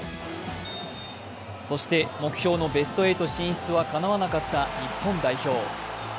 そして目標のベスト８進出はかなわなかった日本代表。